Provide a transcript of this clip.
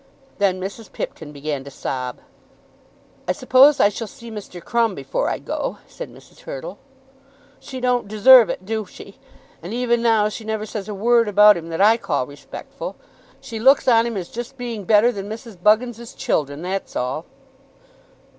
Then Mrs. Pipkin began to sob. "I suppose I shall see Mr. Crumb before I go," said Mrs. Hurtle. "She don't deserve it; do she? And even now she never says a word about him that I call respectful. She looks on him as just being better than Mrs. Buggins's children. That's all."